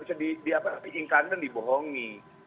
bukan di incident dibohongi